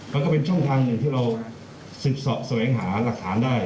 ก็เป็นช่องทางหนึ่งที่เราสืบเสาะแสวงหาหลักฐานได้